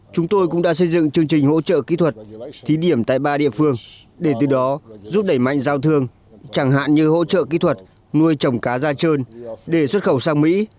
chúng tôi cũng đã xây dựng chương trình hỗ trợ kỹ thuật thí điểm tại ba địa phương để từ đó giúp đẩy mạnh giao thương chẳng hạn như hỗ trợ kỹ thuật nuôi trồng cá da trơn để xuất khẩu sang mỹ